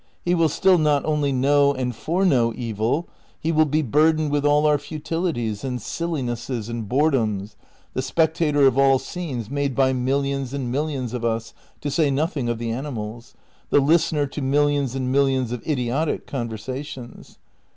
He will still not only know and fore know evil ; he will be burdened with all our futilities and sillinesses and boredoms, the spec tator of all scenes made by millions and millions of us — to say nothing of the animals —; the listener to millions and millions of idiotic conversations.